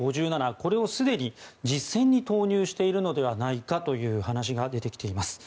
これをすでに実戦に投入しているのではないかという話が出てきています。